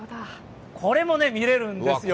これも見れるんですよ。